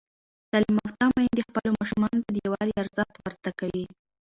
تعلیم یافته میندې خپلو ماشومانو ته د یووالي ارزښت ور زده کوي.